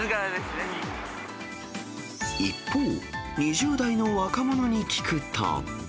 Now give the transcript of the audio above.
一方、２０代の若者に聞くと。